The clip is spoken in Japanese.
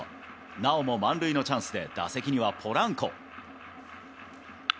なおも満塁のチャンスで、打席にはポランコ。